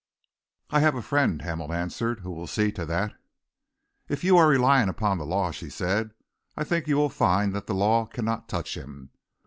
"I have a friend," Hamel answered, "who will see to that." "If you are relying upon the law," she said, "I think you will find that the law cannot touch him.